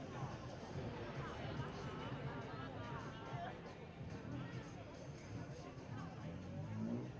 โปรดติดตามตอนต่อไป